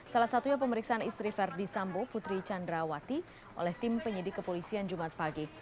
salah satunya pemeriksaan istri verdi sambo putri candrawati oleh tim penyidik kepolisian jumat pagi